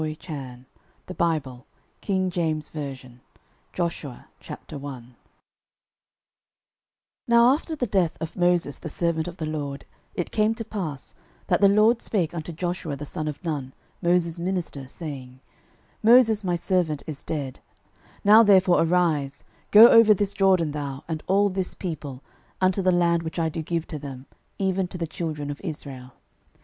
Book 06 Joshua 06:001:001 Now after the death of Moses the servant of the LORD it came to pass, that the LORD spake unto Joshua the son of Nun, Moses' minister, saying, 06:001:002 Moses my servant is dead; now therefore arise, go over this Jordan, thou, and all this people, unto the land which I do give to them, even to the children of Israel.